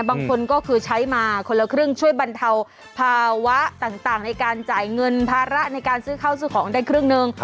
บางคนก็คือใช้มาคนละครึ่งช่วยบรรเทาภาวะต่างในการจ่ายเงินภาระในการซื้อข้าวซื้อของได้ครึ่งหนึ่ง